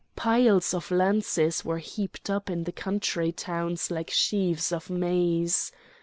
Piles of lances were heaped up in the country towns like sheaves of maize.